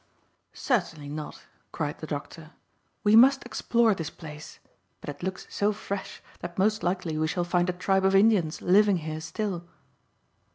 "Certainly not," cried the doctor. "We must explore this place. But it looks so fresh that most likely we shall find a tribe of Indians living here still."